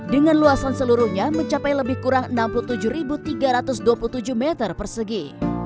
dengan luasan seluruhnya mencapai lebih kurang enam puluh tujuh tiga ratus dua puluh tujuh meter persegi